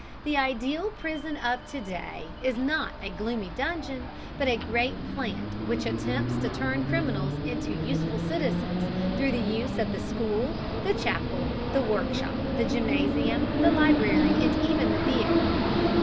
The ideal prison of to day is not a gloomy dungeon, but a great plant which attempts to turn criminals into useful citizens through the use of the school, the chapel, the workshop, the gymnasium, the library, and even the theatre.